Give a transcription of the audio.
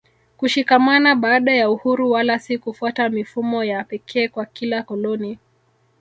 kushikamana baada ya uhuru wala si kufuata mifumo ya pekee kwa kila koloni